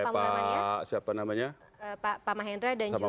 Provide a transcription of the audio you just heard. pak mahendra dan juga pak